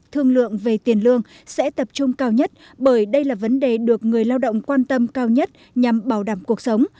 thương lượng về tiền lương sẽ tập trung cao nhất bởi đây là vấn đề được người lao động quan tâm cao nhất nhằm bảo đảm cuộc sống